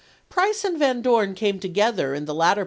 1 Price and Van Dorn came together in the latter 1862.